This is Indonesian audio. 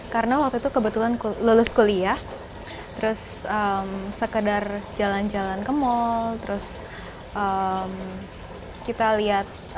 karena waktu itu kebetulan lulus kuliah terus sekedar jalan jalan ke mall terus kita lihat